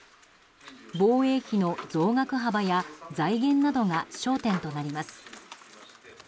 防衛費の増額幅や財源などが焦点となります。